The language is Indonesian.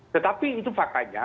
tetapi itu fakta nya